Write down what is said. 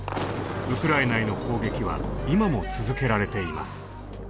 ウクライナへの攻撃は今も続けられています。